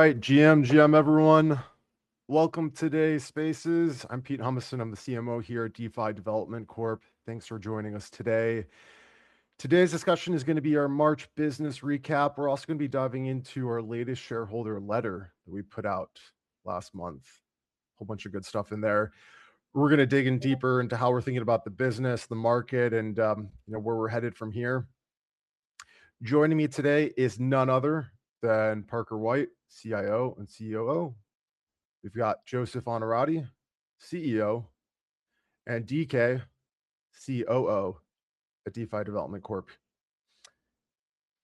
All right. GM, everyone. Welcome to today's Spaces. I'm Pete Humiston, I'm the CMO here at DeFi Development Corp. Thanks for joining us today. Today's discussion is going to be our March business recap. We're also going to be diving into our latest shareholder letter that we put out last month. A whole bunch of good stuff in there. We're going to dig in deeper into how we're thinking about the business, the market, and where we're headed from here. Joining me today is none other than Parker White, CIO and COO. We've got Joseph Onorati, CEO, and DK, CSO at DeFi Development Corp.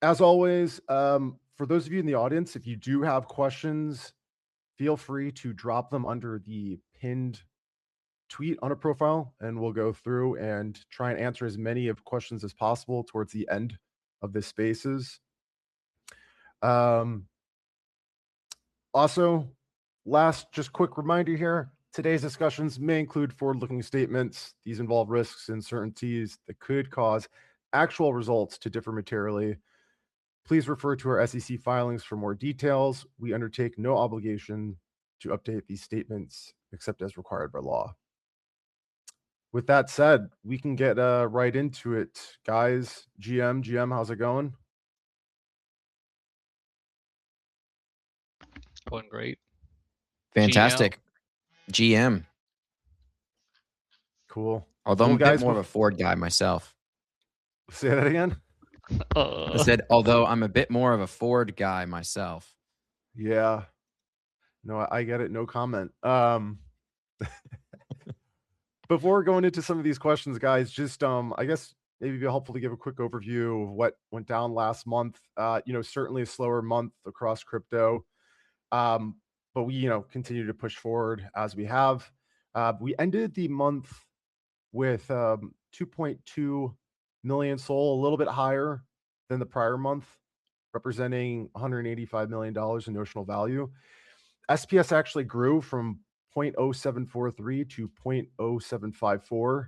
As always, for those of you in the audience, if you do have questions, feel free to drop them under the pinned tweet on our profile and we'll go through and try and answer as many questions as possible towards the end of this Spaces. Also, just a quick reminder here, today's discussions may include forward-looking statements. These involve risks and uncertainties that could cause actual results to differ materially. Please refer to our SEC filings for more details. We undertake no obligation to update these statements except as required by law. With that said, we can get right into it. Guys, GM, how's it going? Going great. Fantastic. GM. GM. Cool. Although- You guys- I'm more of a Ford guy myself. Say that again. I said, although I'm a bit more of a Ford guy myself. Yeah. No, I get it. No comment. Before going into some of these questions, guys, just I guess maybe it'd be helpful to give a quick overview of what went down last month. Certainly a slower month across crypto. We continue to push forward as we have. We ended the month with 2.2 million SOL, a little bit higher than the prior month, representing $185 million in notional value. SPS actually grew from 0.0743 to 0.0754.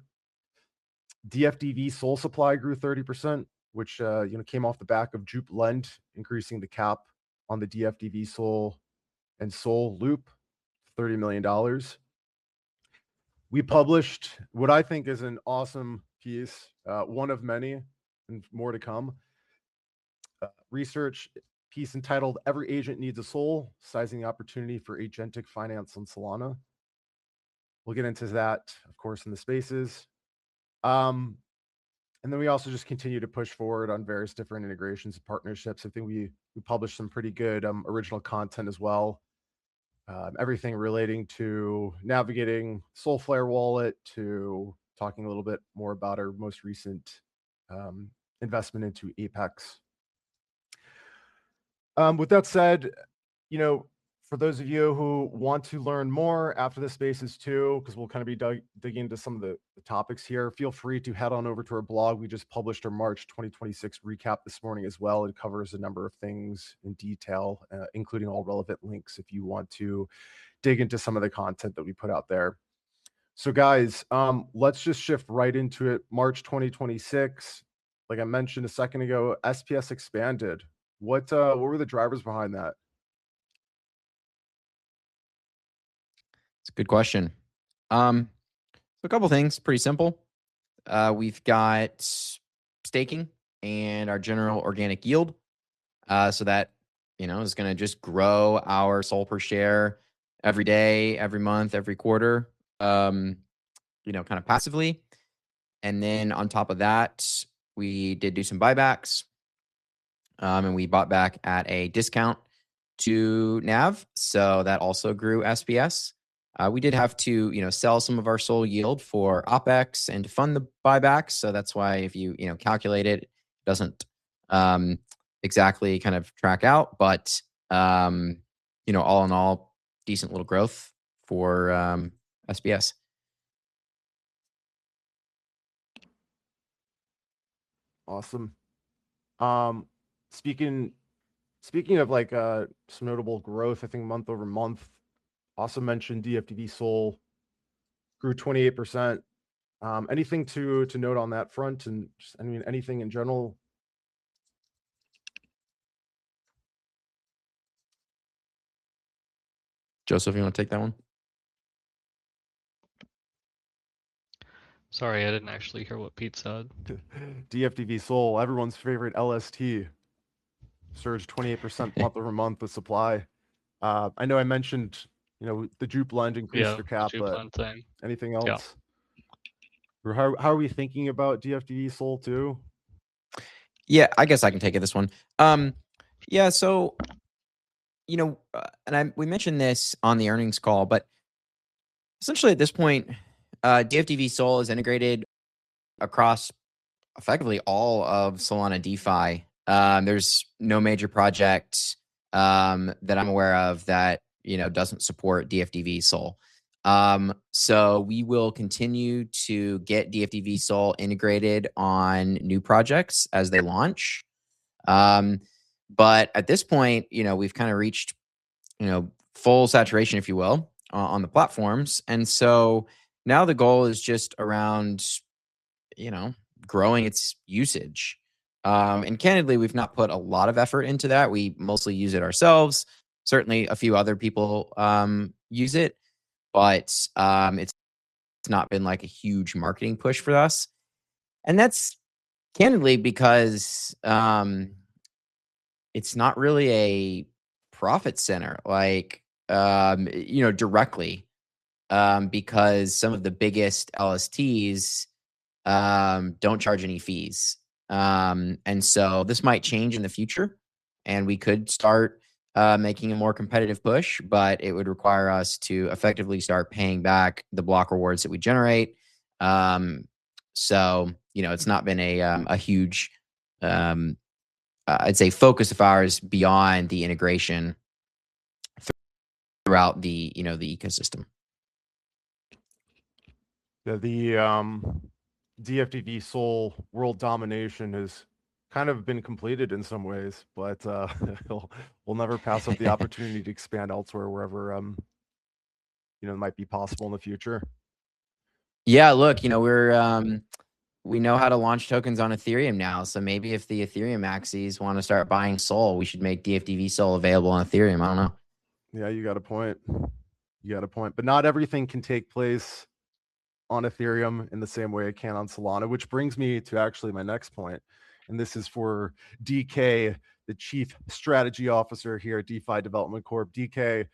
dfdvSOL supply grew 30%, which came off the back of Jupiter Lend increasing the cap on the dfdvSOL and SOL loop $30 million. We published what I think is an awesome piece, one of many, and more to come, research piece entitled "Every Agent Needs a SOL: Sizing the Opportunity for Agentic Finance on Solana." We'll get into that, of course, in the Spaces. We also just continue to push forward on various different integrations and partnerships. I think we published some pretty good original content as well, everything relating to navigating Solflare wallet, to talking a little bit more about our most recent investment into ApeX. With that said, for those of you who want to learn more after this Spaces too, because we'll be digging into some of the topics here, feel free to head on over to our blog. We just published our March 2026 recap this morning as well. It covers a number of things in detail, including all relevant links if you want to dig into some of the content that we put out there. Guys, let's just shift right into it. March 2026, like I mentioned a second ago, SPS expanded. What were the drivers behind that? It's a good question. A couple things, pretty simple. We've got staking and our general organic yield. That is going to just grow our SOL per share every day, every month, every quarter, kind of passively. Then on top of that, we did do some buybacks, and we bought back at a discount to NAV, so that also grew SPS. We did have to sell some of our SOL yield for OpEx and to fund the buyback, so that's why if you calculate it doesn't exactly track out. All in all, decent little growth for SPS. Awesome. Speaking of some notable growth, I think month-over-month, also mentioned dfdvSOL grew 28%. Anything to note on that front and just anything in general? Joseph, you want to take that one? Sorry, I didn't actually hear what Pete said. dfdvSOL, everyone's favorite LST, surged 28% month-over-month of supply. I know I mentioned the Jupiter Lend increased- Yeah Our cap, but. Jupiter Lend thing. Anything else? Yeah. How are we thinking about dfdvSOL too? Yeah, I guess I can take this one. Yeah, we mentioned this on the earnings call, but essentially at this point, dfdvSOL is integrated across effectively all of Solana DeFi. There's no major project that I'm aware of that doesn't support dfdvSOL. We will continue to get dfdvSOL integrated on new projects as they launch. At this point, we've reached full saturation, if you will, on the platforms. Now the goal is just around, you know, growing its usage. Candidly, we've not put a lot of effort into that. We mostly use it ourselves. Certainly, a few other people use it, but it's not been like a huge marketing push for us. That's candidly because it's not really a profit center directly, because some of the biggest LSTs don't charge any fees. This might change in the future, and we could start making a more competitive push, but it would require us to effectively start paying back the block rewards that we generate. It's not been a huge, I'd say, focus of ours beyond the integration throughout the ecosystem. Yeah. The dfdvSOL world domination has kind of been completed in some ways, but we'll never pass up the opportunity to expand elsewhere, wherever it might be possible in the future. Yeah, look, we know how to launch tokens on Ethereum now. Maybe if the Ethereum maxis want to start buying SOL, we should make dfdvSOL available on Ethereum. I don't know. Yeah, you got a point. Not everything can take place on Ethereum in the same way it can on Solana, which brings me to actually my next point, and this is for DK, the Chief Strategy Officer here at DeFi Development Corp. DK,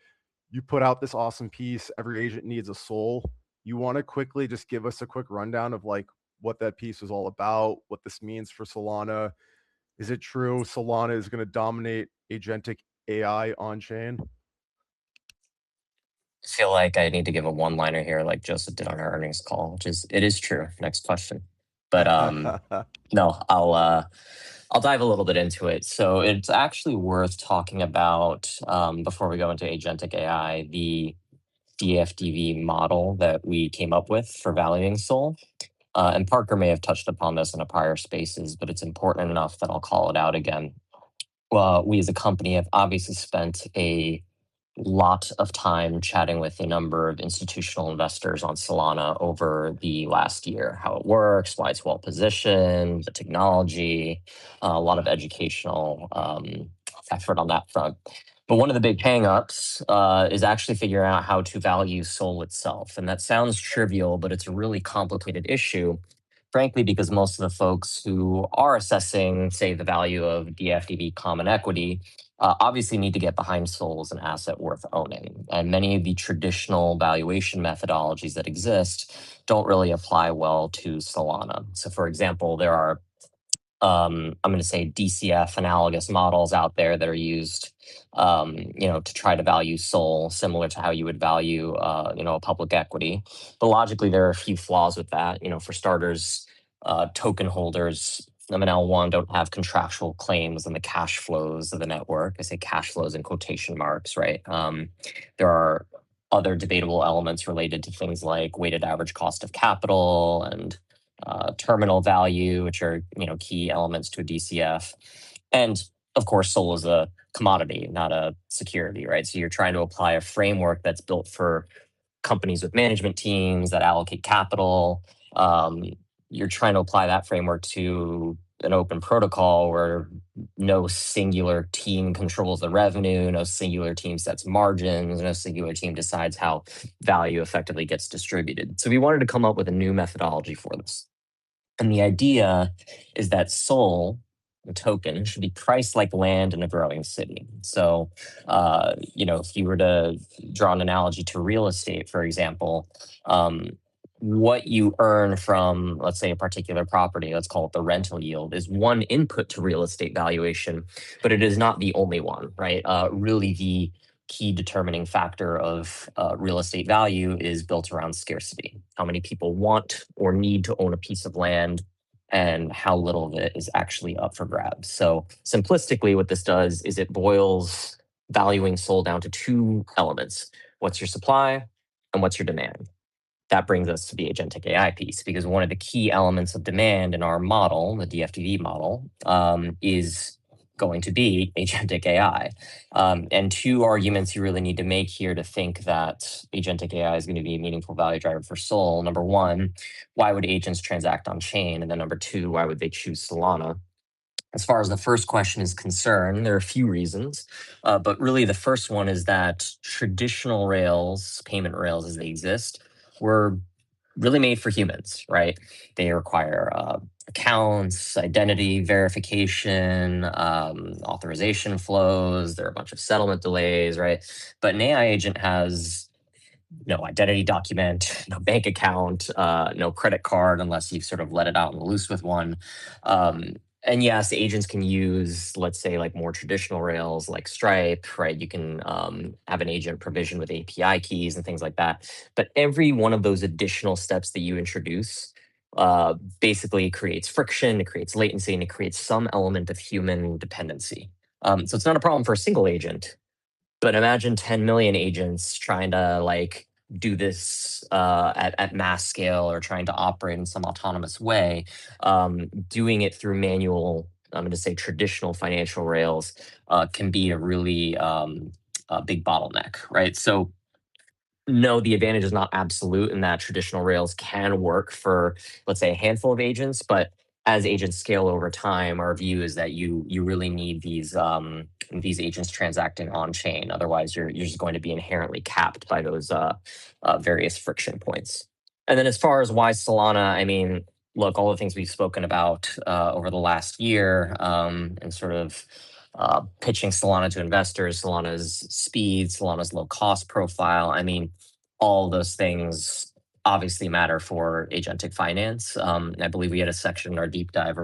you put out this awesome piece, "Every Agent Needs a SOL." You want to quickly just give us a quick rundown of what that piece was all about, what this means for Solana. Is it true Solana is going to dominate agentic AI on-chain? I feel like I need to give a one-liner here like Joseph did on our earnings call, which is, it is true. Next question. No, I'll dive a little bit into it. It's actually worth talking about, before we go into agentic AI, the DFDV model that we came up with for valuing SOL. Parker may have touched upon this in a prior Spaces, but it's important enough that I'll call it out again. We, as a company, have obviously spent a lot of time chatting with a number of institutional investors on Solana over the last year, how it works, why it's well-positioned, the technology, a lot of educational effort on that front. One of the big hang-ups is actually figuring out how to value SOL itself. That sounds trivial, but it's a really complicated issue, frankly, because most of the folks who are assessing, say, the value of DFDV common equity, obviously need to get behind SOL as an asset worth owning. Many of the traditional valuation methodologies that exist don't really apply well to Solana. For example, there are, I'm going to say, DCF analogous models out there that are used to try to value SOL similar to how you would value a public equity. Logically, there are a few flaws with that. For starters, token holders' number one don't have contractual claims on the cash flows of the network. I say cash flows in quotation marks, right? There are other debatable elements related to things like weighted average cost of capital and terminal value, which are key elements to a DCF. Of course, SOL is a commodity, not a security, right? You're trying to apply a framework that's built for companies with management teams that allocate capital. You're trying to apply that framework to an open protocol where no singular team controls the revenue, no singular team sets margins, no singular team decides how value effectively gets distributed. We wanted to come up with a new methodology for this. The idea is that SOL, the token, should be priced like land in a growing city. If you were to draw an analogy to real estate, for example, what you earn from, let's say, a particular property, let's call it the rental yield, is one input to real estate valuation, but it is not the only one, right? Really the key determining factor of real estate value is built around scarcity. How many people want or need to own a piece of land, and how little of it is actually up for grabs? Simplistically, what this does is it boils valuing SOL down to two elements. What's your supply and what's your demand? That brings us to the agentic AI piece, because one of the key elements of demand in our model, the DFDV model, is going to be agentic AI. Two arguments you really need to make here to think that agentic AI is going to be a meaningful value driver for SOL. Number one, why would agents transact on-chain? Then number two, why would they choose Solana? As far as the first question is concerned, there are a few reasons, but really the first one is that traditional rails, payment rails as they exist, were really made for humans, right? They require accounts, identity verification, authorization flows. There are a bunch of settlement delays, right? An AI agent has no identity document, no bank account, no credit card unless you've sort of let it out on the loose with one. Yes, agents can use, let's say like more traditional rails like Stripe, right? You can have an agent provision with API keys and things like that. Every one of those additional steps that you introduce basically creates friction, it creates latency, and it creates some element of human dependency. It's not a problem for a single agent, but imagine 10 million agents trying to do this at mass scale or trying to operate in some autonomous way. Doing it through manual, I'm going to say traditional financial rails, can be a really big bottleneck, right? No, the advantage is not absolute in that traditional rails can work for, let's say, a handful of agents. As agents scale over time, our view is that you really need these agents transacting on-chain. Otherwise, you're just going to be inherently capped by those various friction points. As far as why Solana, look, all the things we've spoken about over the last year, and sort of pitching Solana to investors, Solana's speed, Solana's low-cost profile, all those things obviously matter for agentic finance. I believe we had a section in our deep dive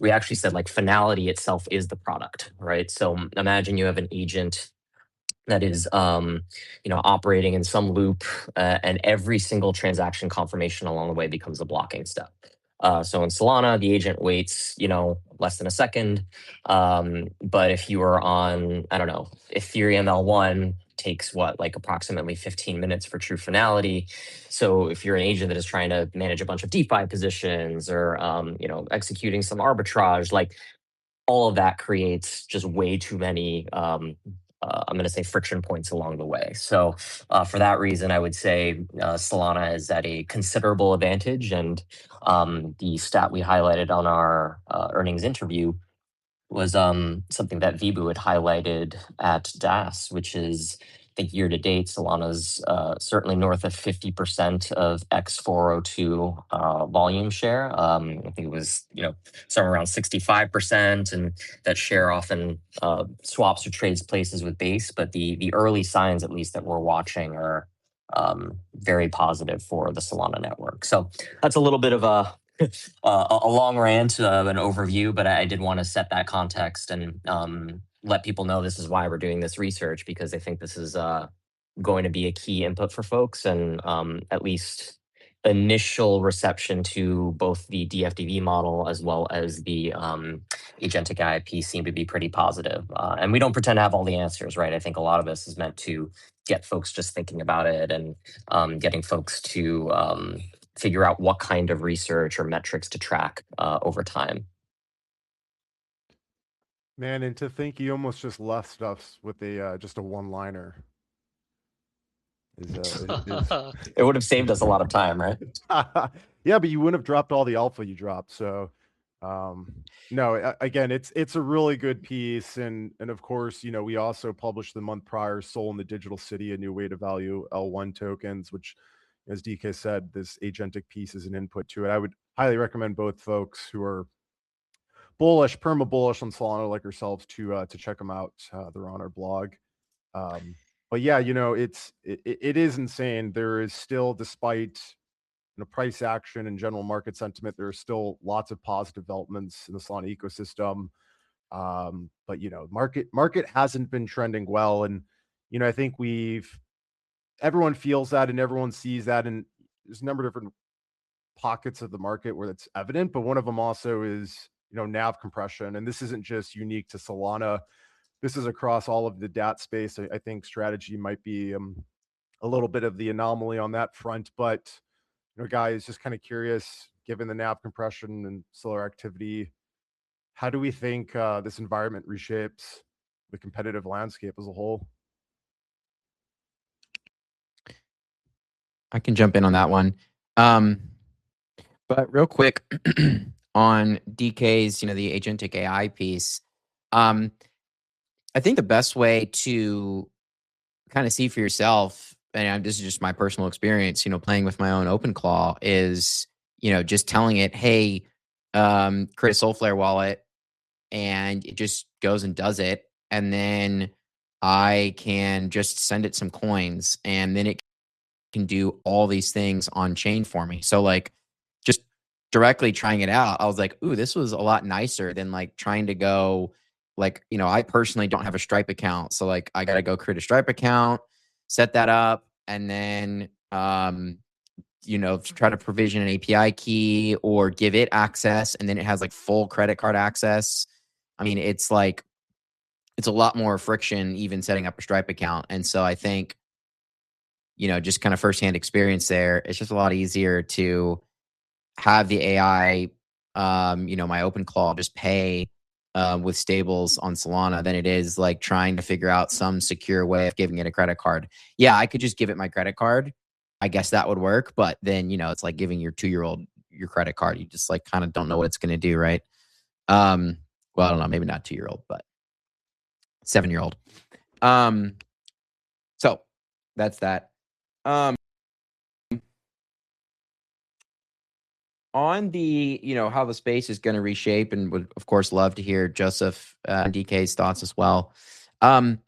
where we actually said finality itself is the product, right? Imagine you have an agent that is operating in some loop, and every single transaction confirmation along the way becomes a blocking step. In Solana, the agent waits less than a second. If you are on, I don't know, Ethereum L1 takes what? Approximately 15 minutes for true finality. If you're an agent that is trying to manage a bunch of DeFi positions or executing some arbitrage, all of that creates just way too many, I'm going to say, friction points along the way. For that reason, I would say Solana is at a considerable advantage. The stat we highlighted on our earnings interview was something that Vibhu had highlighted at DAS, which is, I think year-to-date, Solana's certainly north of 50% of x402 volume share. I think it was somewhere around 65%. That share often swaps or trades places with Base. The early signs at least that we're watching are very positive for the Solana network. That's a little bit of a long rant of an overview, but I did want to set that context and let people know this is why we're doing this research because I think this is going to be a key input for folks and at least initial reception to both the DFDV model as well as the agentic AI seem to be pretty positive. We don't pretend to have all the answers, right? I think a lot of this is meant to get folks just thinking about it and getting folks to figure out what kind of research or metrics to track over time. Man, to think you almost just left stuff with just a one-liner. It would've saved us a lot of time, right? Yeah, but you wouldn't have dropped all the alpha you dropped. No, again, it's a really good piece and of course, we also published the month prior, "SOL in the Digital City: A New Way to Value L1 Tokens," which, as DK said, this agentic piece is an input to it. I would highly recommend both folks who are bullish, perma-bullish on Solana like yourselves to check them out. They're on our blog. Yeah, it is insane. There is still, despite the price action and general market sentiment, there are still lots of positive developments in the Solana ecosystem. Market hasn't been trending well, and I think everyone feels that and everyone sees that, and there's a number of different pockets of the market where that's evident, but one of them also is NAV compression, and this isn't just unique to Solana. This is across all of the DAT Space. I think Strategy might be a little bit of the anomaly on that front. Guys, just kind of curious, given the NAV compression and Solana activity, how do we think this environment reshapes the competitive landscape as a whole? I can jump in on that one. Real quick on DK's, the agentic AI piece. I think the best way to see for yourself, and this is just my personal experience playing with my own OpenClaw, is just telling it, "Hey, create a Solflare wallet," and it just goes and does it, and then I can just send it some coins, and then it can do all these things on-chain for me. Just directly trying it out, I was like, "Ooh, this was a lot nicer than trying to go." I personally don't have a Stripe account, so I got to go create a Stripe account, set that up, and then try to provision an API key or give it access, and then it has full credit card access. It's a lot more friction even setting up a Stripe account, and so I think, just firsthand experience there, it's just a lot easier to have the AI, my OpenClaw just pay with stables on Solana than it is trying to figure out some secure way of giving it a credit card. Yeah, I could just give it my credit card. I guess that would work, but then it's like giving your two-year-old your credit card. You just don't know what it's going to do, right? Well, I don't know, maybe not two-year-old, but seven-year-old. That's that. On how the space is going to reshape, and would, of course, love to hear Joseph and DK's thoughts as well. I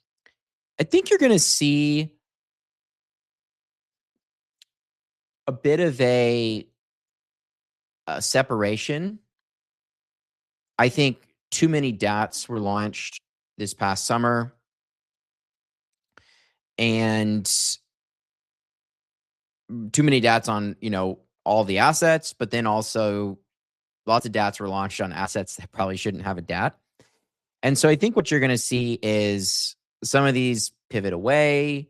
think you're going to see a bit of a separation. I think too many DATs were launched this past summer, and too many DATs on all the assets, but then also lots of DATs were launched on assets that probably shouldn't have a DAT. I think what you're going to see is some of these pivot away,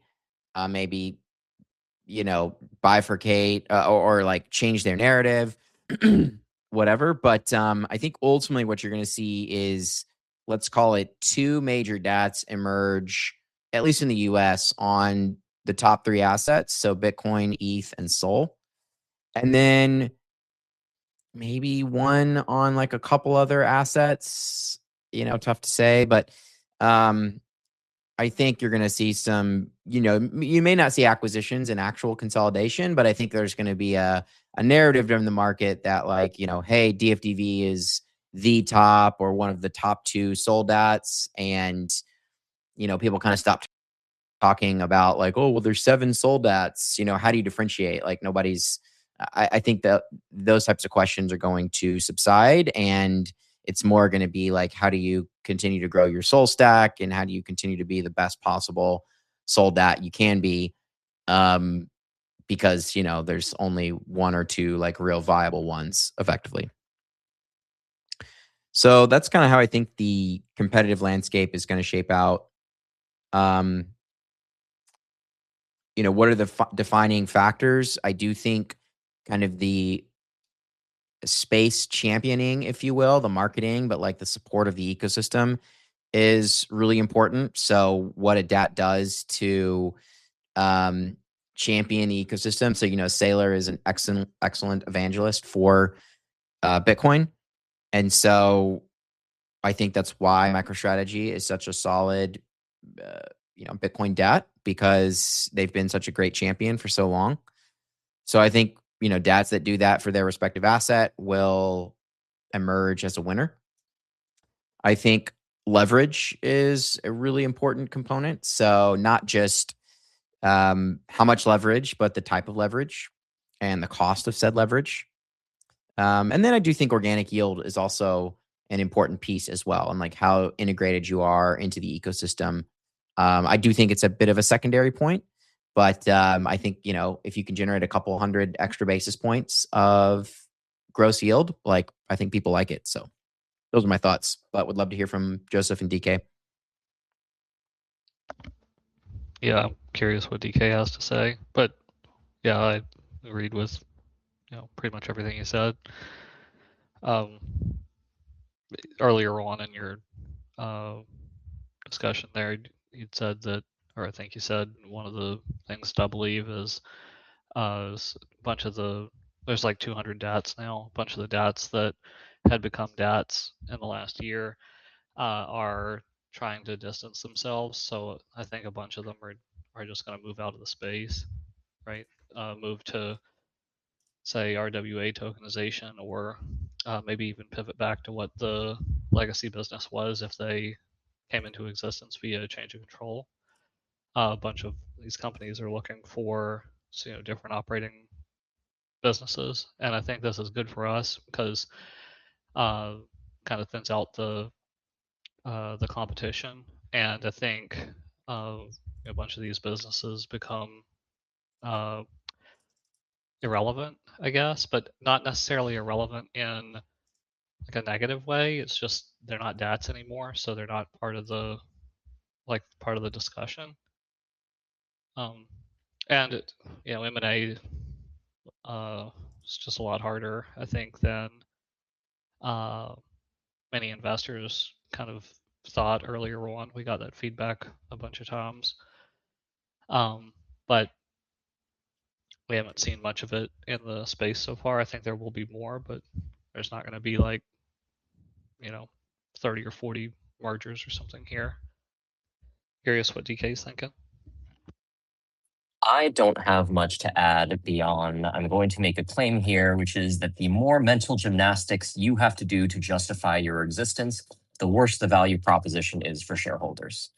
maybe bifurcate, or change their narrative, whatever. I think ultimately what you're going to see is. Let's call it two major DATs emerge, at least in the U.S., on the top three assets. Bitcoin, ETH, and SOL. Maybe one on a couple other assets, tough to say, but I think you're going to see some. You may not see acquisitions and actual consolidation, but I think there's going to be a narrative during the market that, "Hey, DFDV is the top or one of the top two Sol DATs." People stopped talking about, "Oh, well, there's seven Sol DATs, how do you differentiate?" I think that those types of questions are going to subside, and it's more going to be how do you continue to grow your Sol stack, and how do you continue to be the best possible Sol DAT you can be? Because there's only one or two real viable ones effectively. That's how I think the competitive landscape is going to shape out. What are the defining factors? I do think the space championing, if you will, the marketing, but the support of the ecosystem is really important. What a DAT does to champion the ecosystem? Say, Saylor is an excellent evangelist for Bitcoin, and so I think that's why MicroStrategy is such a solid Bitcoin DAT because they've been such a great champion for so long. I think DATs that do that for their respective asset will emerge as a winner. I think leverage is a really important component. Not just how much leverage, but the type of leverage and the cost of said leverage. I do think organic yield is also an important piece as well, and how integrated you are into the ecosystem. I do think it's a bit of a secondary point, but I think if you can generate a couple of hundred extra basis points of gross yield, I think people like it. Those are my thoughts. Would love to hear from Joseph and DK. Yeah. I'm curious what DK has to say, but yeah, I agreed with pretty much everything you said. Earlier on in your discussion there, you'd said that, or I think you said one of the things to believe is there's like 200 DATs now. A bunch of the DATs that had become DATs in the last year are trying to distance themselves. I think a bunch of them are just going to move out of the space, right? Move to, say, RWA tokenization or maybe even pivot back to what the legacy business was if they came into existence via change of control. A bunch of these companies are looking for different operating businesses, and I think this is good for us because thins out the competition. I think a bunch of these businesses become irrelevant, I guess, but not necessarily irrelevant in a negative way. It's just they're not DATs anymore, so they're not part of the discussion. M&A is just a lot harder, I think, than many investors thought earlier on. We got that feedback a bunch of times. We haven't seen much of it in the space so far. I think there will be more, but there's not going to be 30 or 40 mergers or something here. Curious what DK's thinking? I don't have much to add beyond, I'm going to make a claim here, which is that the more mental gymnastics you have to do to justify your existence, the worse the value proposition is for shareholders.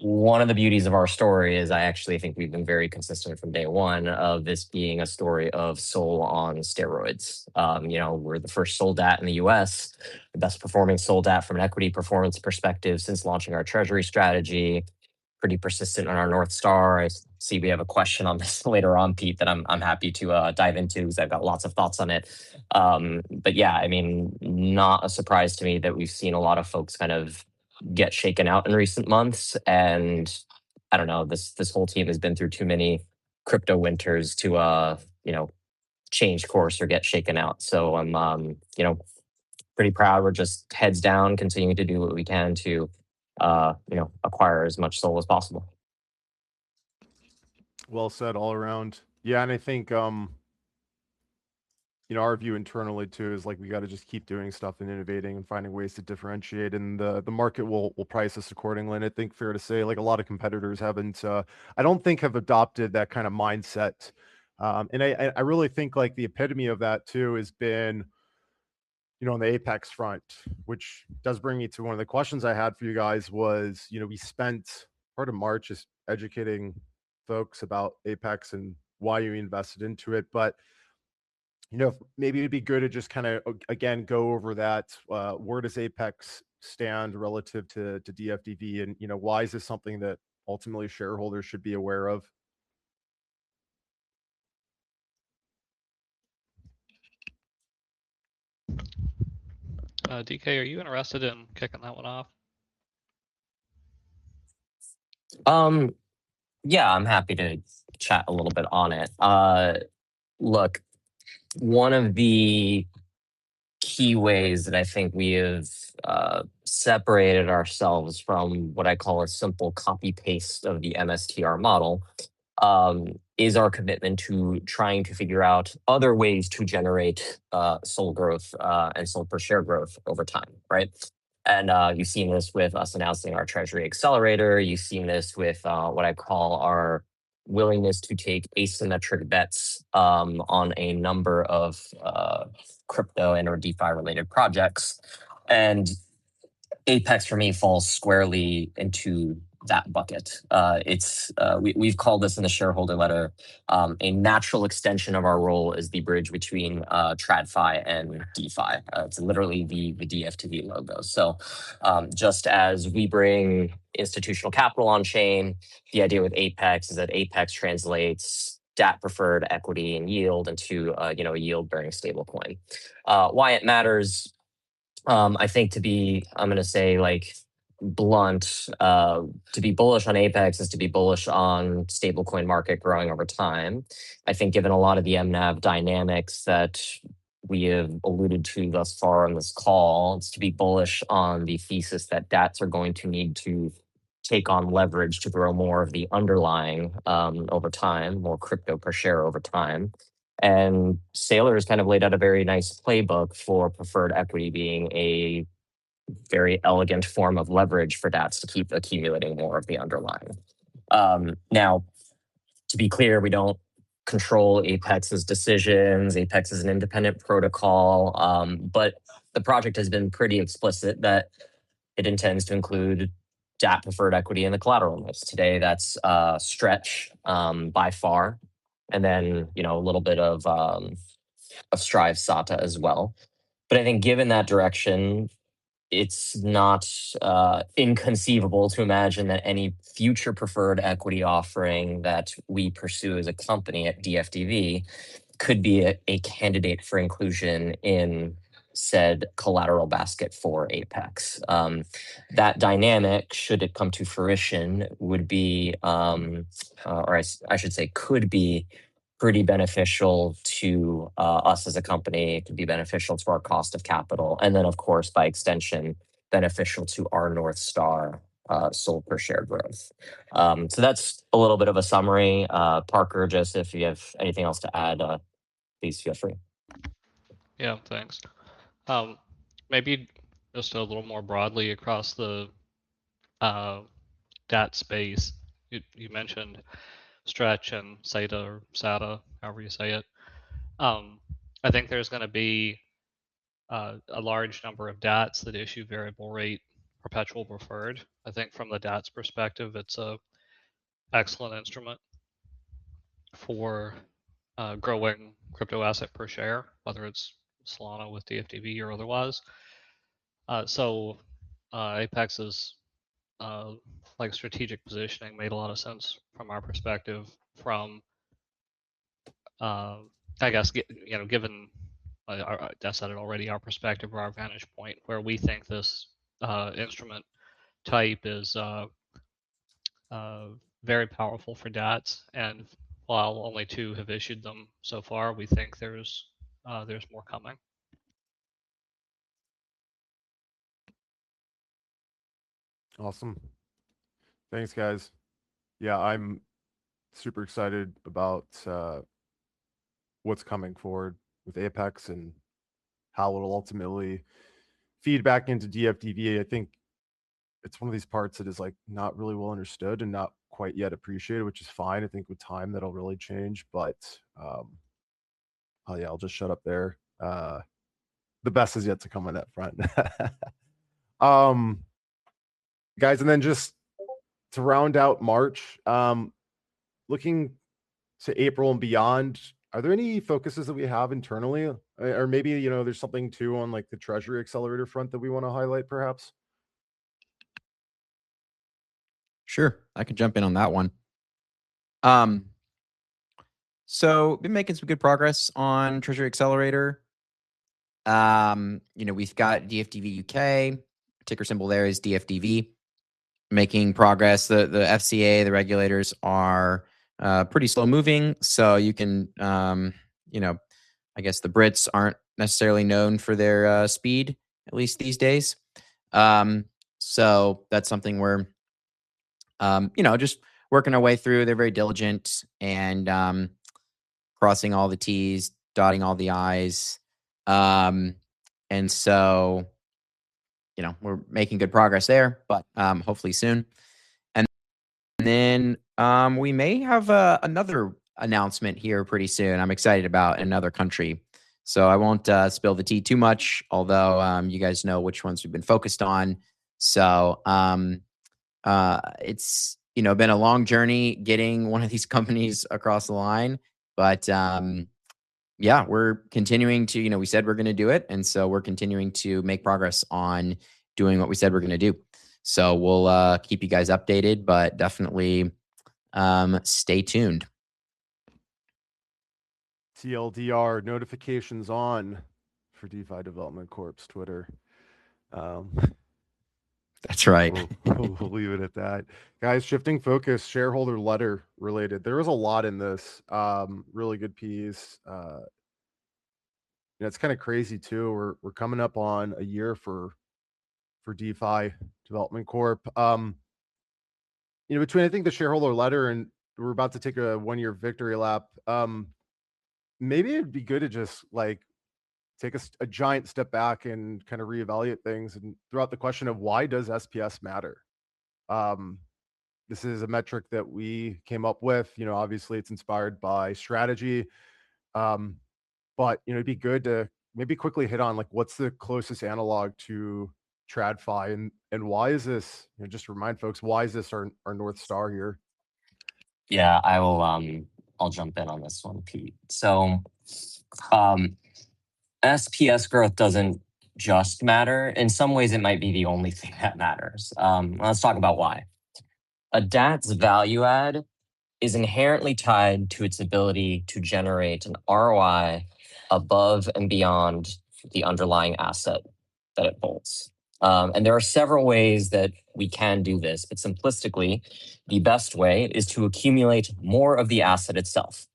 One of the beauties of our story is I actually think we've been very consistent from day one of this being a story of Sol on steroids. We're the first Sol DAT in the U.S., the best performing Sol DAT from an equity performance perspective since launching our treasury strategy. Pretty persistent on our North Star. I see we have a question on this later on, Pete, that I'm happy to dive into because I've got lots of thoughts on it. Yeah, not a surprise to me that we've seen a lot of folks get shaken out in recent months, and I don't know. This whole team has been through too many crypto winters to change course or get shaken out. I'm pretty proud. We're just heads down continuing to do what we can to acquire as much SOL as possible. Well said all around. Yeah, I think our view internally too is we've got to just keep doing stuff and innovating and finding ways to differentiate, and the market will price us accordingly. I think it's fair to say, a lot of competitors I don't think have adopted that kind of mindset. I really think the epitome of that too has been on the ApeX front, which does bring me to one of the questions I had for you guys was, we spent part of March just educating folks about ApeX and why you invested into it. Maybe it'd be good to just again go over that. Where does ApeX stand relative to DFDV, and why is this something that ultimately shareholders should be aware of? DK, are you interested in kicking that one off? Yeah, I'm happy to chat a little bit on it. Look, one of the key ways that I think we have separated ourselves from what I call a simple copy-paste of the MSTR model, is our commitment to trying to figure out other ways to generate SOL growth and SOL per share growth over time. Right? You've seen this with us announcing our Treasury Accelerator. You've seen this with what I call our willingness to take asymmetric bets on a number of crypto and/or DeFi-related projects. ApeX for me falls squarely into that bucket. We've called this in the shareholder letter, a natural extension of our role is the bridge between TradFi and DeFi. It's literally the DFDV logo. Just as we bring institutional capital on chain, the idea with ApeX is that ApeX translates DAT-preferred equity and yield into a yield-bearing stablecoin. Why it matters? I think. To be blunt, to be bullish on ApeX is to be bullish on stablecoin market growing over time. I think given a lot of the Market-to-NAV dynamics that we have alluded to thus far on this call, it's to be bullish on the thesis that DATs are going to need to take on leverage to grow more of the underlying, over time, more crypto per share over time. Saylor has kind of laid out a very nice playbook for preferred equity being a very elegant form of leverage for DATs to keep accumulating more of the underlying. Now, to be clear, we don't control ApeX's decisions. ApeX is an independent protocol. The project has been pretty explicit that it intends to include DAT-preferred equity in the collateral list. Today, that's STRC, by far, and then a little bit of Strive SATA as well. I think given that direction, it's not inconceivable to imagine that any future preferred equity offering that we pursue as a company at DFDV could be a candidate for inclusion in said collateral basket for ApeX. That dynamic, should it come to fruition, would be, or I should say could be pretty beneficial to us as a company. It could be beneficial to our cost of capital, and then of course by extension, beneficial to our North Star SOL per share growth. That's a little bit of a summary. Parker, Joseph, you have anything else to add, please feel free. Yeah, thanks. Maybe just a little more broadly across the DAT Space. You mentioned STRC and SATA, however you say it. I think there's going to be a large number of DATs that issue variable rate perpetual preferred. I think from the DAT's perspective, it's an excellent instrument for growing crypto asset per share. Whether it's Solana with DFDV or otherwise. ApeX's strategic positioning made a lot of sense from our perspective from, I guess, given our DAT status already, our perspective or our vantage point where we think this instrument type is very powerful for DATs. While only two have issued them so far, we think there's more coming. Awesome. Thanks, guys. Yeah, I'm super excited about what's coming forward with ApeX and how it'll ultimately feed back into DFDV. I think it's one of these parts that is not really well understood and not quite yet appreciated, which is fine. I think with time that'll really change. Yeah, I'll just shut up there. The best is yet to come on that front. Guys, just to round out March, looking to April and beyond, are there any focuses that we have internally or maybe there's something too on the Treasury Accelerator front that we want to highlight, perhaps? Sure. I can jump in on that one. We've been making some good progress on Treasury Accelerator. We've got DFDV U.K., ticker symbol there is DFDV, making progress. The FCA, the regulators are pretty slow-moving. I guess the Brits aren't necessarily known for their speed, at least these days. That's something we're just working our way through. They're very diligent and crossing all the T's, dotting all the I's. We're making good progress there, but hopefully soon. We may have another announcement here pretty soon. I'm excited about another country. I won't spill the tea too much, although, you guys know which ones we've been focused on. It's been a long journey getting one of these companies across the line. Yeah, we're continuing to. We said we're going to do it, and so we're continuing to make progress on doing what we said we're going to do. We'll keep you guys updated, but definitely stay tuned. TLDR notifications on for DeFi Development Corp's Twitter. That's right. We'll leave it at that. Guys, shifting focus, shareholder letter related. There was a lot in this really good piece. It's kind of crazy too. We're coming up on a year for DeFi Development Corp. Between, I think, the shareholder letter and we're about to take a one-year victory lap, maybe it'd be good to just take a giant step back and reevaluate things and throw out the question of why does SPS matter? This is a metric that we came up with. Obviously, it's inspired by Strategy. It'd be good to maybe quickly hit on what's the closest analog to TradFi and, just to remind folks, why is this our North Star here? Yeah, I'll jump in on this one, Pete. SPS growth doesn't just matter. In some ways, it might be the only thing that matters. Let's talk about why. A DAT's value add is inherently tied to its ability to generate an ROI above and beyond the underlying asset that it holds. There are several ways that we can do this, but simplistically, the best way is to accumulate more of the asset itself.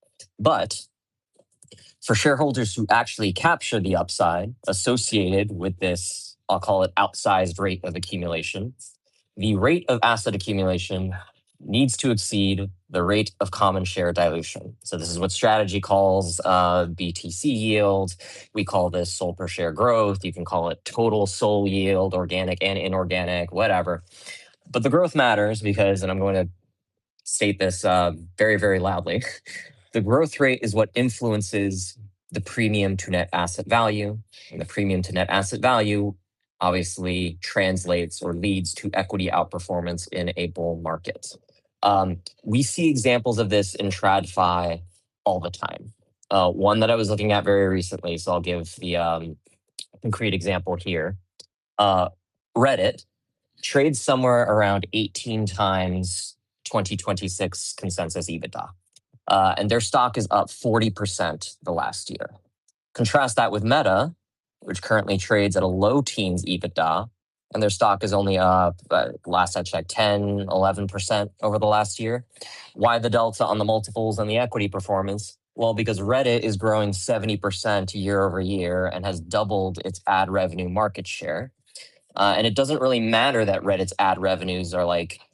For shareholders who actually capture the upside associated with this, I'll call it outsized rate of accumulation, the rate of asset accumulation needs to exceed the rate of common share dilution. This is what Strategy calls BTC yield. We call this SOL per share growth. You can call it total SOL yield, organic and inorganic, whatever. The growth matters because, and I'm going to state this very, very loudly, the growth rate is what influences the premium to net asset value, and the premium to net asset value obviously translates or leads to equity outperformance in a bull market. We see examples of this in TradFi all the time. One that I was looking at very recently, so I'll give the concrete example here. Reddit trades somewhere around 18 times 2026 consensus EBITDA. Their stock is up 40% the last year. Contrast that with Meta, which currently trades at a low teens EBITDA, and their stock is only up, last I checked, 10%, 11% over the last year. Why the delta on the multiples on the equity performance? Well, because Reddit is growing 70% year-over-year and has doubled its ad revenue market share. It doesn't really matter that Reddit's ad revenues are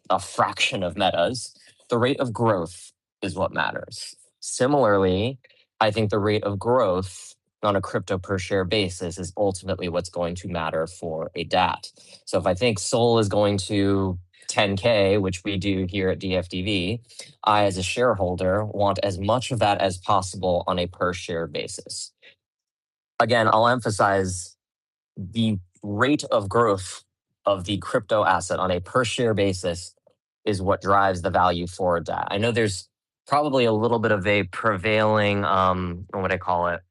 a fraction of Meta's. The rate of growth is what matters. Similarly, I think the rate of growth on a crypto per share basis is ultimately what's going to matter for a DAT. If I think SOL is going to 10K, which we do here at DFDV, I, as a shareholder, want as much of that as possible on a per share basis. Again, I'll emphasize the rate of growth of the crypto asset on a per share basis is what drives the value for a DAT. I know there's probably a little bit of a prevailing, what do they call it,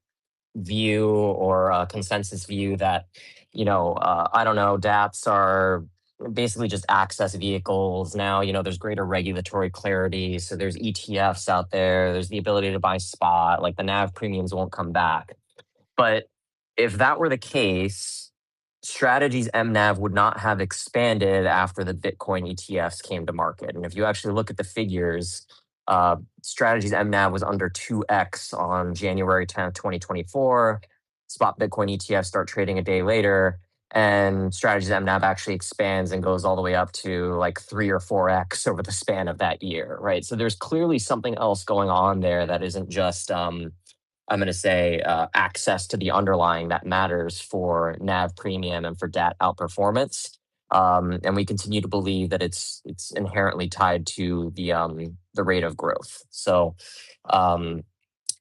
view or a consensus view that, I don't know, DATs are basically just access vehicles now. There's greater regulatory clarity, so there's ETFs out there. There's the ability to buy spot, like the NAV premiums won't come back. If that were the case, Strategy's Market-to-NAV would not have expanded after the Bitcoin ETFs came to market. If you actually look at the figures, Strategy's Market-to-NAV was under 2x on January 10th, 2024. Spot Bitcoin ETFs start trading a day later, and Strategy's Market-to-NAV actually expands and goes all the way up to 3x or 4x over the span of that year, right? There's clearly something else going on there that isn't just, I'm going to say, access to the underlying that matters for NAV premium and for DAT outperformance. We continue to believe that it's inherently tied to the rate of growth.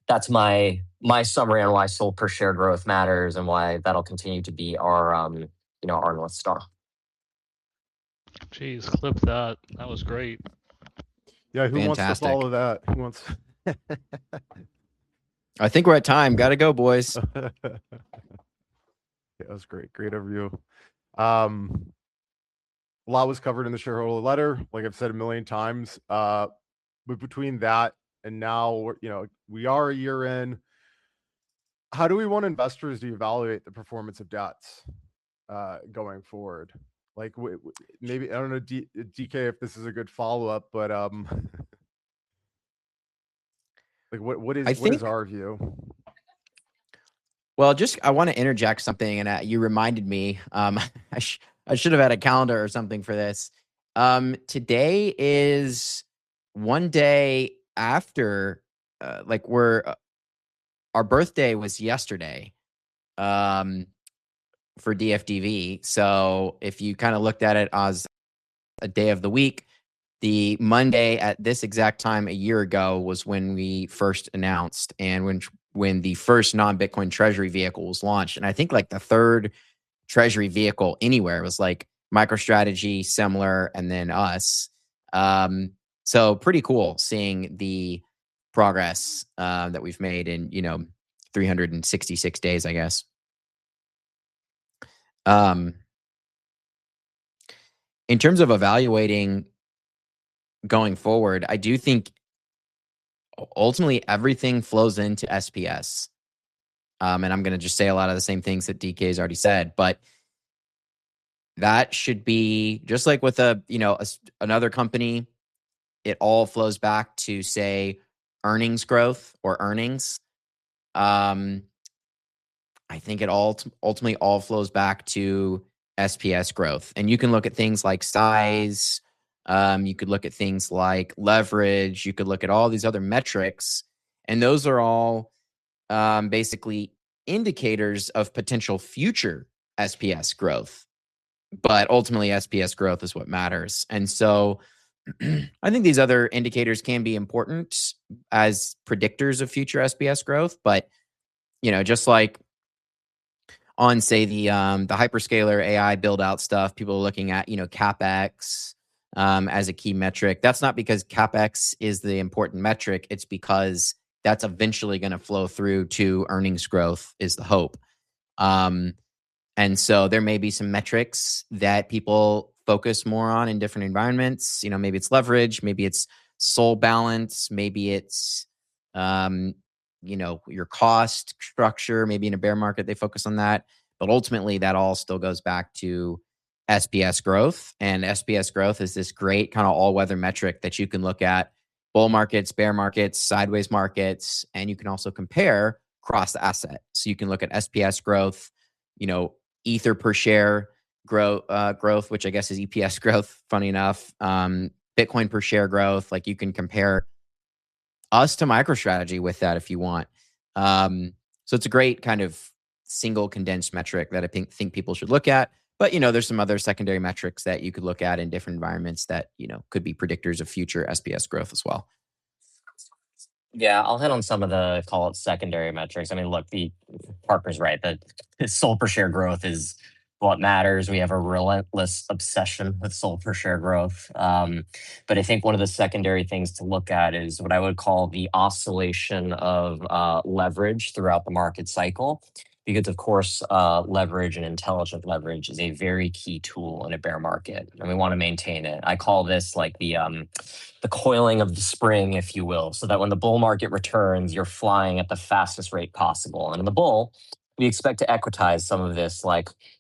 That's my summary on why SOL per share growth matters and why that'll continue to be our North Star. Jeez, clip that. That was great. Yeah, who wants to follow that? I think we're at time. Got to go, boys. Yeah, that was great. Great overview. A lot was covered in the shareholder letter, like I've said a million times. Between that and now, we are a year in, how do we want investors to evaluate the performance of DATs going forward? I don't know, DK, if this is a good follow-up, but what is our view? Well, I want to interject something, and you reminded me. I should have had a calendar or something for this. Today is one day after. Our birthday was yesterday for DFDV. If you looked at it as a day of the week, the Monday at this exact time a year ago was when we first announced and when the first non-Bitcoin treasury vehicle was launched, and I think the third treasury vehicle anywhere was MicroStrategy, Semler, and then us. Pretty cool seeing the progress that we've made in 366 days, I guess. In terms of evaluating going forward, I do think ultimately everything flows into SPS. I'm going to just say a lot of the same things that DK's already said. That should be just like with another company, it all flows back to, say, earnings growth or earnings. I think it ultimately all flows back to SPS growth. You can look at things like size, you could look at things like leverage, you could look at all these other metrics, and those are all basically indicators of potential future SPS growth. Ultimately, SPS growth is what matters. I think these other indicators can be important as predictors of future SPS growth. Just like on, say, the hyperscaler AI build-out stuff, people are looking at CapEx as a key metric. That's not because CapEx is the important metric, it's because that's eventually going to flow through to earnings growth, is the hope. There may be some metrics that people focus more on in different environments. Maybe it's leverage, maybe it's SOL balance, maybe it's your cost structure. Maybe in a bear market, they focus on that. Ultimately, that all still goes back to SPS growth. SPS growth is this great all-weather metric that you can look at bull markets, bear markets, sideways markets, and you can also compare cross-asset. You can look at SPS growth, ether per share growth, which I guess is EPS growth, funny enough, Bitcoin per share growth. You can compare us to MicroStrategy with that if you want. It's a great single condensed metric that I think people should look at. There's some other secondary metrics that you could look at in different environments that could be predictors of future SPS growth as well. Yeah, I'll hit on some of the, call it secondary metrics. Look, Parker's right, that SOL per share growth is what matters. We have a relentless obsession with SOL per share growth. But I think one of the secondary things to look at is what I would call the oscillation of leverage throughout the market cycle. Because, of course, leverage and intelligent leverage is a very key tool in a bear market, and we want to maintain it. I call this the coiling of the spring, if you will, so that when the bull market returns, you're flying at the fastest rate possible. In the bull, we expect to equitize some of this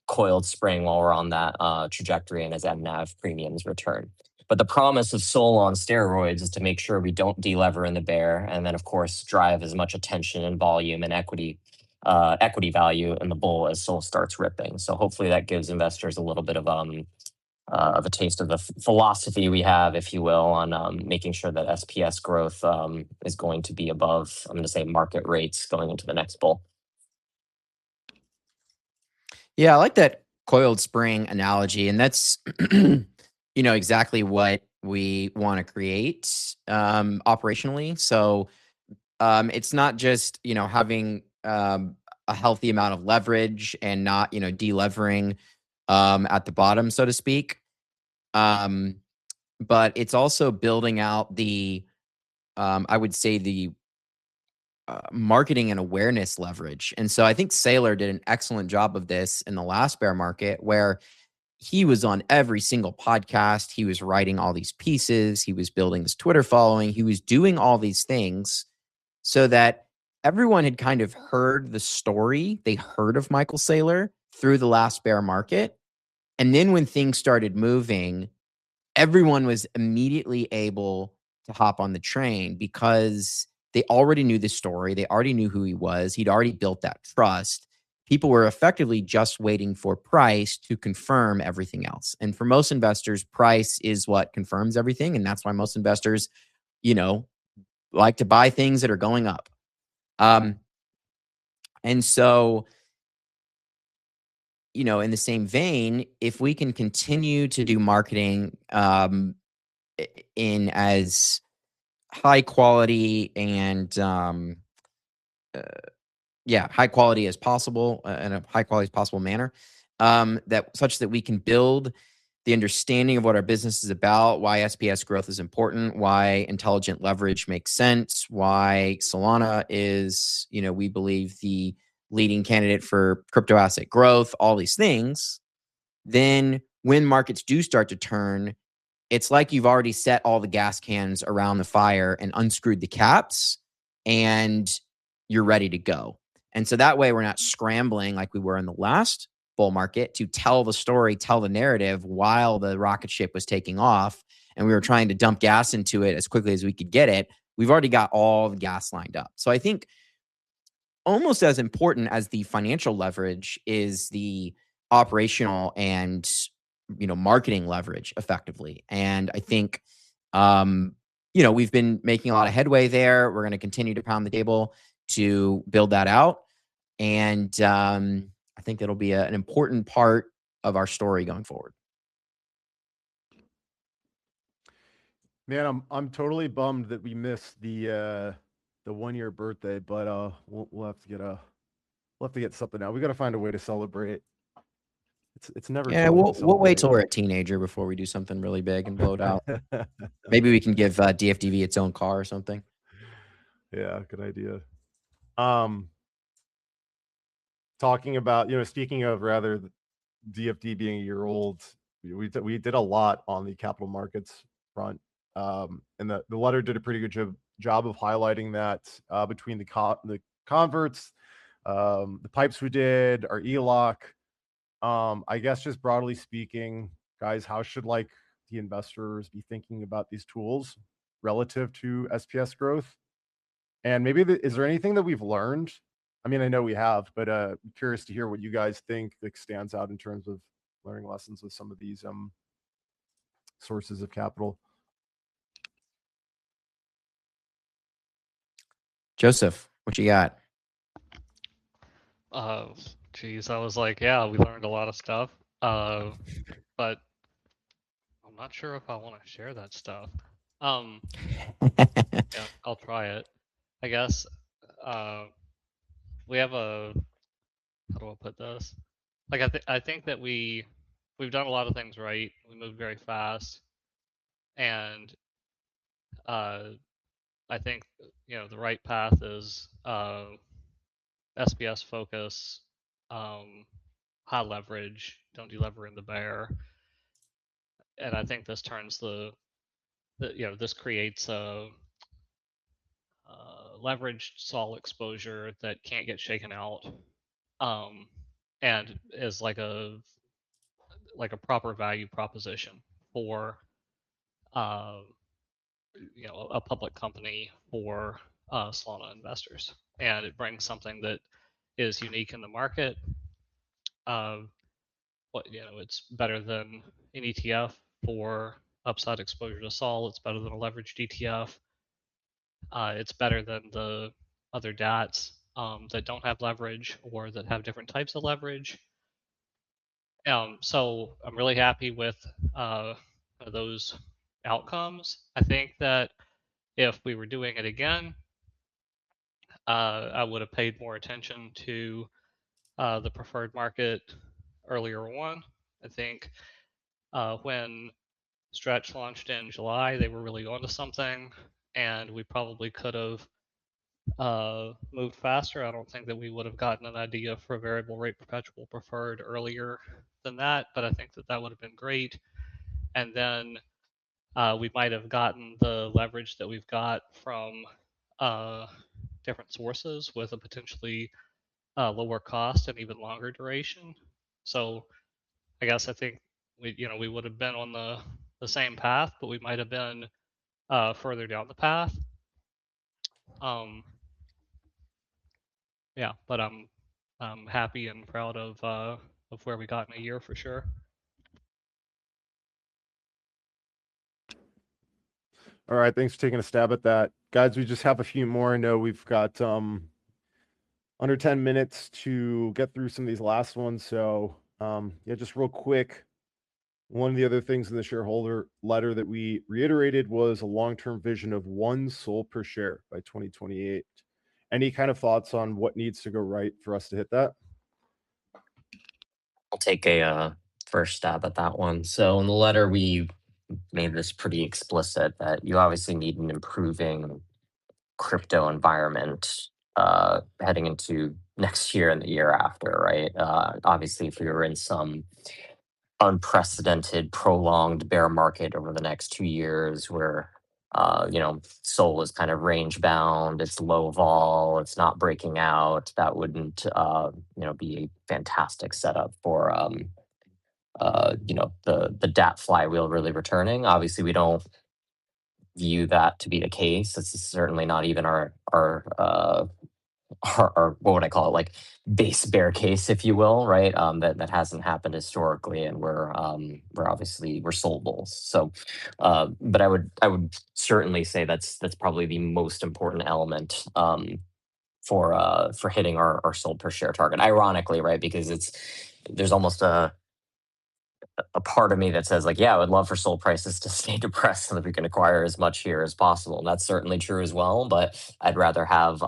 coiled spring while we're on that trajectory and as Market-to-NAV premiums return. The promise of SOL on steroids is to make sure we don't de-lever in the bear, and then, of course, drive as much attention and volume and equity value in the bull as SOL starts ripping. Hopefully that gives investors a little bit of a taste of the philosophy we have, if you will, on making sure that SPS growth is going to be above, I'm going to say, market rates going into the next bull. Yeah, I like that coiled spring analogy, and that's exactly what we want to create operationally. It's not just having a healthy amount of leverage and not de-levering at the bottom, so to speak. It's also building out the, I would say, the marketing and awareness leverage. I think Saylor did an excellent job of this in the last bear market, where he was on every single podcast, he was writing all these pieces, he was building his Twitter following. He was doing all these things so that everyone had heard the story. They heard of Michael Saylor through the last bear market. Then when things started moving, everyone was immediately able to hop on the train because they already knew the story. They already knew who he was. He'd already built that trust. People were effectively just waiting for price to confirm everything else. For most investors, price is what confirms everything, and that's why most investors like to buy things that are going up. In the same vein, if we can continue to do marketing in as high quality as possible manner, such that we can build the understanding of what our business is about, why SPS growth is important, why intelligent leverage makes sense, why Solana is we believe the leading candidate for crypto asset growth, all these things. When markets do start to turn, it's like you've already set all the gas cans around the fire and unscrewed the caps, and you're ready to go. That way, we're not scrambling like we were in the last bull market to tell the story, tell the narrative while the rocket ship was taking off and we were trying to dump gas into it as quickly as we could get it. We've already got all the gas lined up. I think almost as important as the financial leverage is the operational and marketing leverage effectively. I think we've been making a lot of headway there. We're going to continue to pound the table to build that out, and I think it'll be an important part of our story going forward. Man, I'm totally bummed that we missed the one-year birthday, but we'll have to get something out. We've got to find a way to celebrate. It's never too late to celebrate. Yeah, we'll wait till we're a teenager before we do something really big and blow it out. Maybe we can give DFDV its own car or something. Yeah, good idea. Speaking of rather DFDV being a year old, we did a lot on the capital markets front. The letter did a pretty good job of highlighting that between the converts, the PIPEs we did, our ELOC. I guess just broadly speaking, guys, how should the investors be thinking about these tools relative to SPS growth? Maybe is there anything that we've learned? I know we have, but curious to hear what you guys think that stands out in terms of learning lessons with some of these sources of capital. Joseph, what you got? Oh, geez. I was like, yeah, we learned a lot of stuff. I'm not sure if I want to share that stuff. Yeah, I'll try it. I guess, how do I put this? I think that we've done a lot of things right. We moved very fast and I think the right path is SPS focus, high leverage, don't de-lever in the bear. I think this creates a leveraged SOL exposure that can't get shaken out and is a proper value proposition for a public company for Solana investors. It brings something that is unique in the market. It's better than an ETF for upside exposure to SOL. It's better than a leveraged ETF. It's better than the other DATs that don't have leverage or that have different types of leverage. I'm really happy with those outcomes. I think that if we were doing it again, I would've paid more attention to the preferred market earlier on. I think when STRC launched in July, they were really onto something and we probably could've moved faster. I don't think that we would've gotten an idea for a Variable Rate Perpetual Preferred earlier than that, but I think that that would've been great. Then we might have gotten the leverage that we've got from different sources with a potentially lower cost and even longer duration. I guess I think we would've been on the same path, but we might have been further down the path. Yeah. I'm happy and proud of where we got in a year, for sure. All right. Thanks for taking a stab at that. Guys, we just have a few more. I know we've got under 10 minutes to get through some of these last ones. Yeah, just real quick. One of the other things in the shareholder letter that we reiterated was a long-term vision of One SOL per Share by 2028. Any kind of thoughts on what needs to go right for us to hit that? I'll take a first stab at that one. In the letter, we made this pretty explicit that you obviously need an improving crypto environment heading into next year and the year after, right? Obviously if we were in some unprecedented, prolonged bear market over the next two years where SOL is kind of range bound, it's low vol, it's not breaking out, that wouldn't be a fantastic setup for the DAT flywheel really returning. Obviously, we don't view that to be the case. It's certainly not even our, what would I call it, base bear case, if you will. That hasn't happened historically and we're obviously SOL bulls. But I would certainly say that's probably the most important element for hitting our SOL per share target, ironically. Because there's almost a part of me that says, "Yeah, I would love for SOL prices to stay depressed so that we can acquire as much here as possible." That's certainly true as well. I'd rather have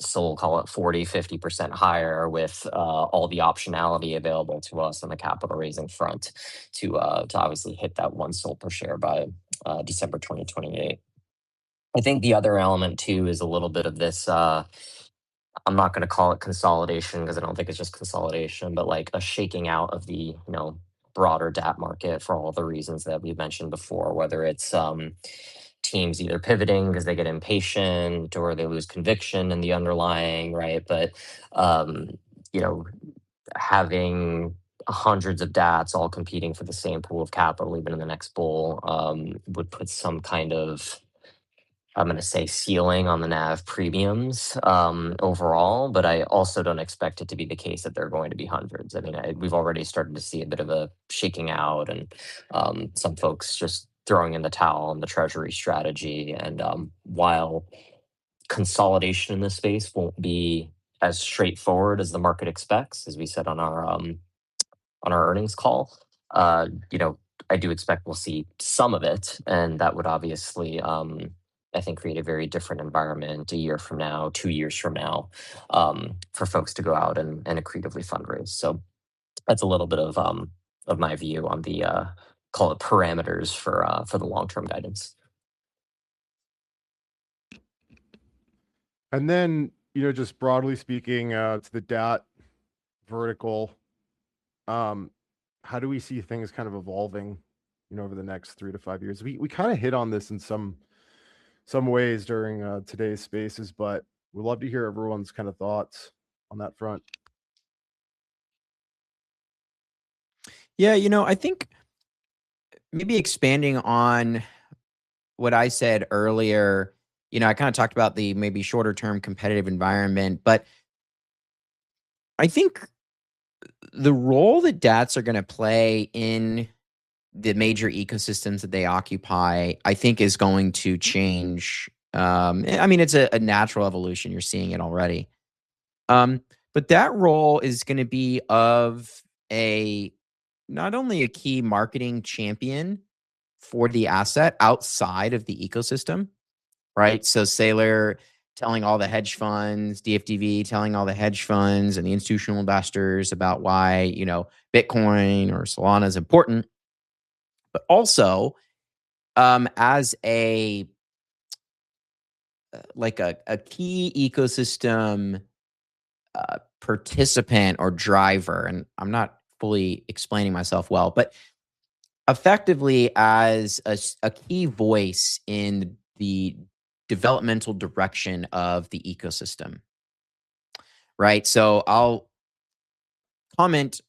SOL, call it 40%-50% higher with all the optionality available to us on the capital raising front to obviously hit that one SOL per share by December 2028. I think the other element too is a little bit of this. I'm not going to call it consolidation because I don't think it's just consolidation, but like a shaking out of the broader DAT market for all the reasons that we've mentioned before, whether it's teams either pivoting because they get impatient or they lose conviction in the underlying. Having hundreds of DATs all competing for the same pool of capital even in the next bull would put some kind of, I'm going to say ceiling on the NAV premiums overall. I also don't expect it to be the case that there are going to be hundreds. We've already started to see a bit of a shaking out and some folks just throwing in the towel on the treasury strategy. While consolidation in this space won't be as straightforward as the market expects, as we said on our earnings call, I do expect we'll see some of it, and that would obviously, I think create a very different environment a year from now, two years from now for folks to go out and creatively fundraise. That's a little bit of my view on the, call it parameters for the long-term guidance. Just broadly speaking to the DAT vertical, how do we see things evolving over the next three to five years? We hit on this in some ways during today's spaces, but we'd love to hear everyone's thoughts on that front. Yeah. I think maybe expanding on what I said earlier. I talked about the maybe shorter-term competitive environment, but I think the role that DATs are going to play in the major ecosystems that they occupy, I think, is going to change. It's a natural evolution. You're seeing it already. That role is going to be of not only a key marketing champion for the asset outside of the ecosystem, right? Saylor telling all the hedge funds, DFDV telling all the hedge funds and the institutional investors about why Bitcoin or Solana is important, but also as a key ecosystem participant or driver. I'm not fully explaining myself well, but effectively as a key voice in the developmental direction of the ecosystem. Right? I'll comment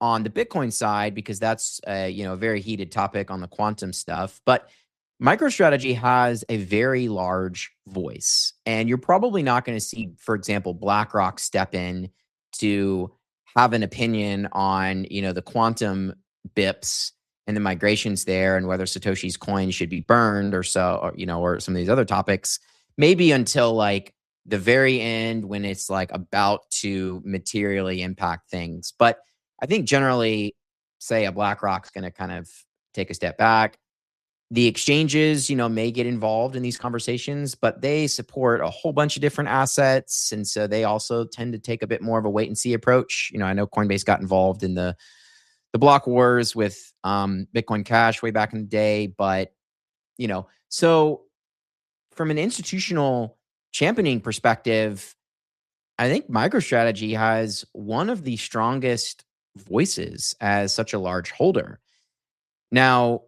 on the Bitcoin side because that's a very heated topic on the Quantum stuff. MicroStrategy has a very large voice, and you're probably not going to see, for example, BlackRock step in to have an opinion on the Quantum BIPs and the migrations there, and whether Satoshi's coin should be burned or some of these other topics, maybe until the very end when it's about to materially impact things. I think generally, say a BlackRock's going to take a step back. The exchanges may get involved in these conversations, but they support a whole bunch of different assets, and so they also tend to take a bit more of a wait and see approach. I know Coinbase got involved in the block wars with Bitcoin Cash way back in the day. From an institutional championing perspective, I think MicroStrategy has one of the strongest voices as such a large holder. Now,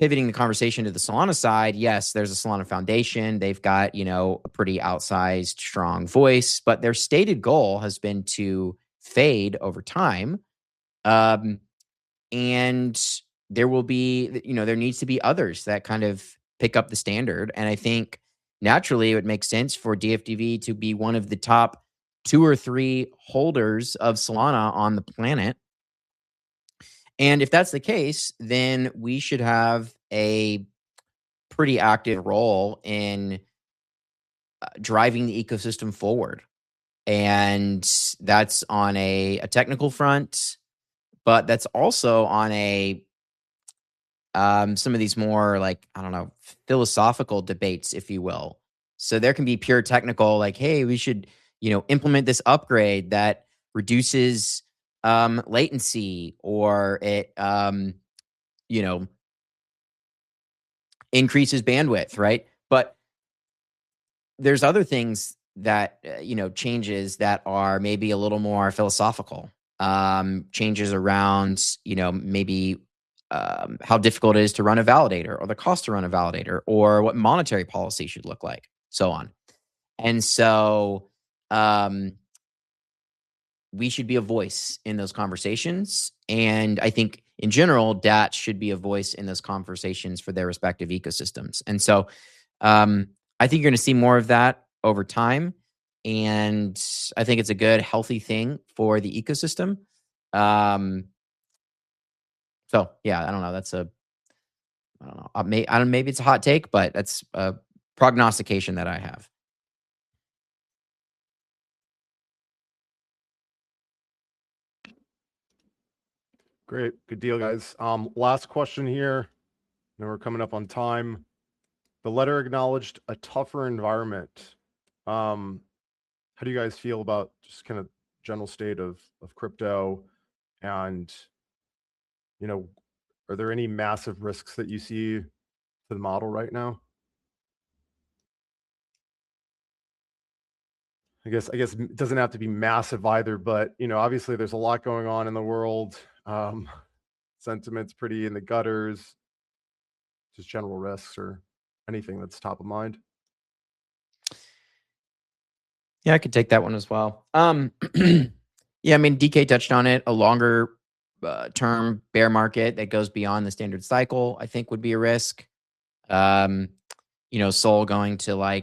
pivoting the conversation to the Solana side, yes, there's a Solana Foundation. They've got a pretty outsized, strong voice. Their stated goal has been to fade over time. There needs to be others that pick up the standard. I think naturally it would make sense for DFDV to be one of the top two or three holders of Solana on the planet. If that's the case, then we should have a pretty active role in driving the ecosystem forward. That's on a technical front, but that's also on some of these more, I don't know, philosophical debates, if you will. There can be pure technical like, "Hey, we should implement this upgrade that reduces latency or it increases bandwidth." Right? There's other changes that are maybe a little more philosophical. Changes around maybe how difficult it is to run a validator or the cost to run a validator or what monetary policy should look like, so on. We should be a voice in those conversations, and I think in general, DATs should be a voice in those conversations for their respective ecosystems. I think you're going to see more of that over time, and I think it's a good, healthy thing for the ecosystem. Yeah, I don't know. Maybe it's a hot take, but that's a prognostication that I have. Great. Good deal, guys. Last question here. I know we're coming up on time. The letter acknowledged a tougher environment. How do you guys feel about just general state of crypto and are there any massive risks that you see to the model right now? I guess it doesn't have to be massive either, but obviously there's a lot going on in the world. Sentiment's pretty in the gutters. Just general risks or anything that's top of mind. Yeah, I could take that one as well. Yeah, DK touched on it. A longer-term bear market that goes beyond the standard cycle, I think would be a risk. SOL going to, I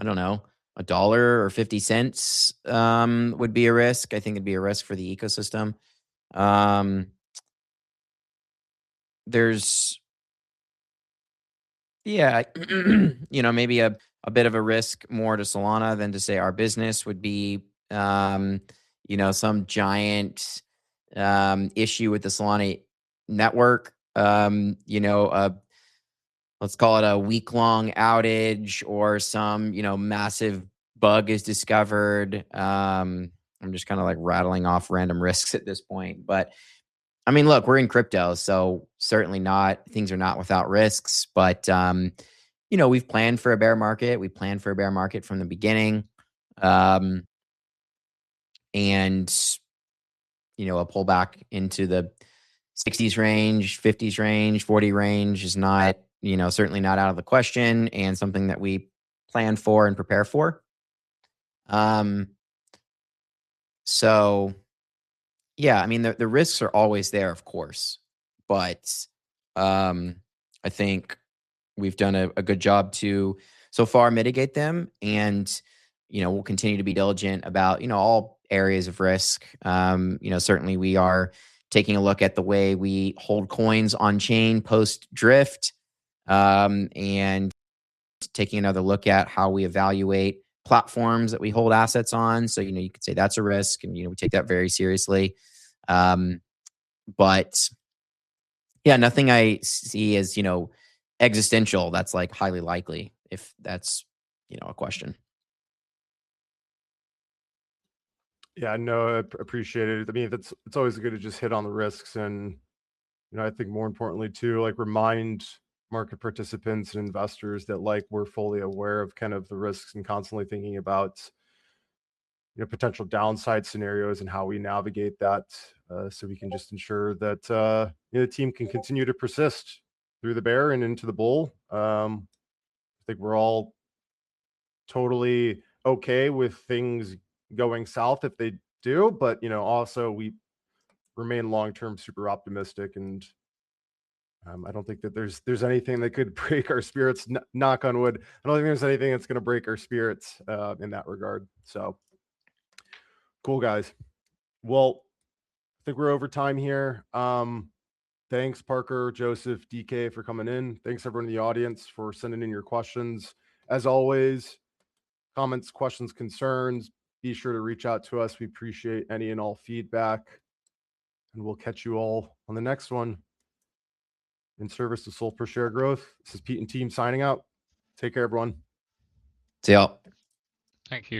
don't know, $1 or $0.50 would be a risk. I think it'd be a risk for the ecosystem. Yeah. Maybe a bit of a risk more to Solana than to say our business would be some giant issue with the Solana network. Let's call it a week-long outage or some massive bug is discovered. I'm just rattling off random risks at this point. Look, we're in crypto, so certainly things are not without risks. We've planned for a bear market, we planned for a bear market from the beginning. A pullback into the 60s range, 50s range, 40 range is certainly not out of the question and something that we plan for and prepare for. Yeah, the risks are always there, of course. I think we've done a good job to so far mitigate them, and we'll continue to be diligent about all areas of risk. Certainly, we are taking a look at the way we hold coins on-chain post-Drift, and taking another look at how we evaluate platforms that we hold assets on. You could say that's a risk, and we take that very seriously. Yeah, nothing I see as existential that's highly likely, if that's a question. Yeah, no, appreciate it. It's always good to just hit on the risks and, I think more importantly too, remind market participants and investors that we're fully aware of the risks and constantly thinking about potential downside scenarios and how we navigate that, so we can just ensure that the team can continue to persist through the bear and into the bull. I think we're all totally okay with things going south if they do. Also we remain long-term super optimistic, and I don't think that there's anything that could break our spirits, knock on wood. I don't think there's anything that's going to break our spirits in that regard. Cool, guys. Well, I think we're over time here. Thanks Parker, Joseph, DK, for coming in. Thanks everyone in the audience for sending in your questions. As always, comments, questions, concerns, be sure to reach out to us. We appreciate any and all feedback, and we'll catch you all on the next one. In service to SOL per share growth, this is Pete and team signing out. Take care, everyone. See you all. Thank you.